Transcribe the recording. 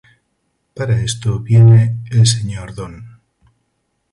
Para esto viene el señor Dn.